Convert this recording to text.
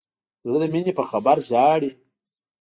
زړه د مینې په خبر ژاړي.